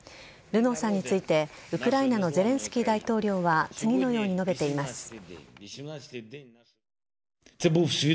ルノーさんについて、ウクライナのゼレンスキー大統領は次のように述べています。